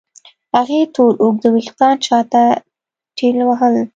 هغې تور اوږده وېښتان شاته ټېلوهل.